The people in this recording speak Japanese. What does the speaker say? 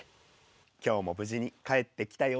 今日も無事に帰ってきたよ。